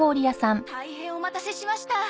大変お待たせしました。